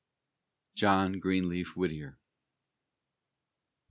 JOHN GREENLEAF WHITTIER.